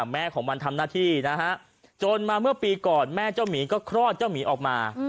แม่ของมันทำหน้าที่นะฮะจนมาเมื่อปีก่อนแม่เจ้าหมีก็คลอดเจ้าหมีออกมา